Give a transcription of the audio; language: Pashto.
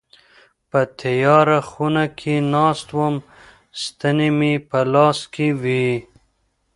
په تياره خونه کي ناست وم ستني مي په لاس کي وي.